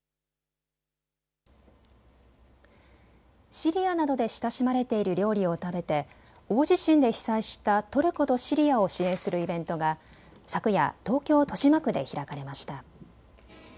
シリアなどで親しまれている料理を食べて大地震で被災したトルコとシリアを支援するイベントが昨夜、東京豊島区で開かれました。